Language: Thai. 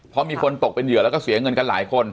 เพราะมีคนตกเป็นเหยื่อแล้วก็เสียเงินกันหลายคน